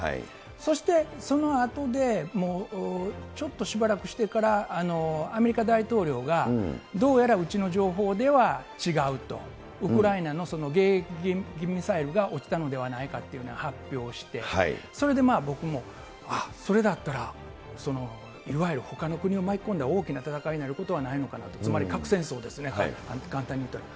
そして、そのあとで、ちょっとしばらくしてからアメリカ大統領が、どうやらうちの情報では、違うと、ウクライナの迎撃ミサイルが落ちたのではないかっていうような発表をして、それでまあ、僕も、あっ、それだったら、いわゆるほかの国を巻き込んだ大きな戦いになることはないのかなと、つまり核戦争ですね、簡単に言うと。